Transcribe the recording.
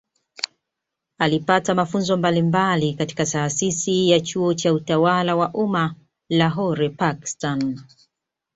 Alipata mafunzo mbalimbali katika Taasisi ya Chuo cha Utawala wa Umma Lahore Pakistani